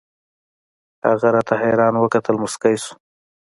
هغه راته حيران وكتل موسكى سو.